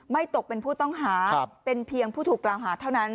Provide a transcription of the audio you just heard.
ตกเป็นผู้ต้องหาเป็นเพียงผู้ถูกกล่าวหาเท่านั้น